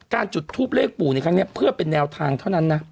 จุดทูปเลขปู่ในครั้งนี้เพื่อเป็นแนวทางเท่านั้นนะ